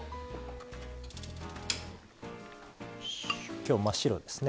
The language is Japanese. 今日、真っ白ですね。